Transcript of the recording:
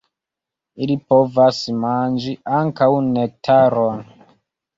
Ili povas manĝi ankaŭ nektaron.